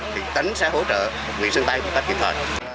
thì tấn sẽ hỗ trợ quỹ sân tây một cách kết hợp